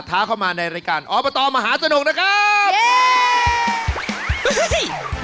ท้าเข้ามาในรายการออประตอร์มหาสนุกนะครับ